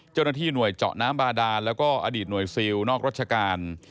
เจ้าหน้าที่หน่วยเจาะน้ำบาดานแล้วก็อดีตหน่วยซิลนอกรัชการ